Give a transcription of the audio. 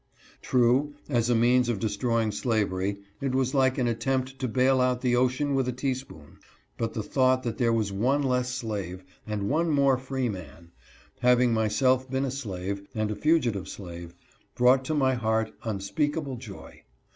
True, as a means of destroying slavery, it was like an attempt to bail out the ocean with a teaspoon, but the thought that there was one less slave, and one more freeman — having myself been a slave, and a fugitive slave — brought to my heart unspeakable joy.